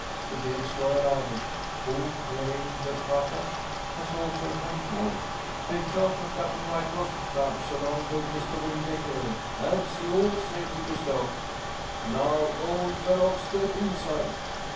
to the ex Royal Irish, who, hearing the fracas, has also come forth, "take charge of Captain Ryecroft's traps, along with Mr Wingate here, and see all safety bestowed. Now, old fellow, step inside.